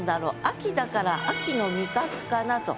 秋だから秋の味覚かなと。